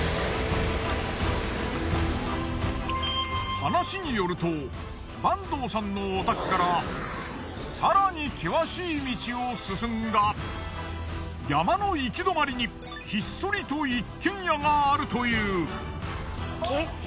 話によると坂東さんのお宅から更に険しい道を進んだ山の行き止まりにひっそりと一軒家があるという。